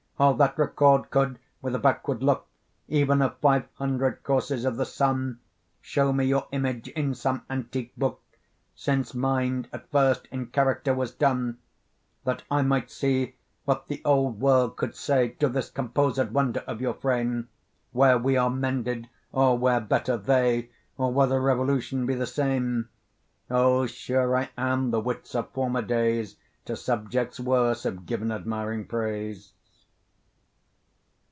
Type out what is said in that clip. O! that record could with a backward look, Even of five hundred courses of the sun, Show me your image in some antique book, Since mind at first in character was done! That I might see what the old world could say To this composed wonder of your frame; Wh'r we are mended, or wh'r better they, Or whether revolution be the same. O! sure I am the wits of former days, To subjects worse have given admiring praise.